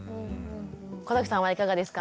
小さんはいかがですか？